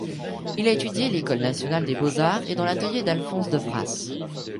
Il a étudié à l'École nationale des beaux-arts et dans l'atelier d'Alphonse Defrasse.